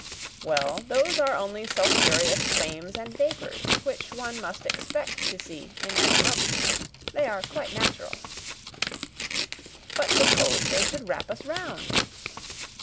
"Well, those are only sulphureous flames and vapours, which one must expect to see in an eruption. They are quite natural." "But suppose they should wrap us round."